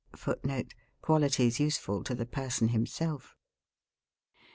[Footnote: Qualities useful to the person himself.